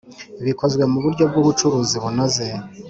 bikozwe mu buryo bw ubucuruzi bunoze